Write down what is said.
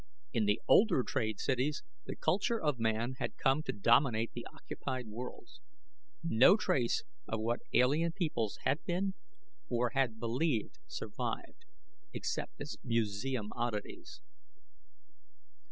In the older trade cities, the culture of man had come to dominate the occupied worlds. No trace of what alien peoples had been or had believed survived, except as museum oddities.